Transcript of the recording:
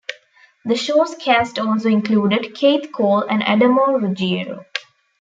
The show's cast also included Keith Cole and Adamo Ruggiero.